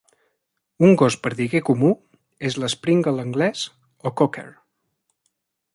Un gos perdiguer comú és l'springer anglés o cocker.